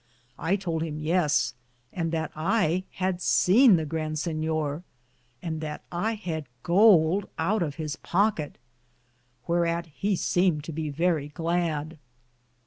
I tould him yeas, and that I had sene the Grand Sinyor, and that I had gould out of his pockett ; whearat he semed to be verrie glade.